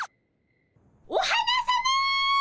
お花さま！